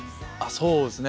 そうですね。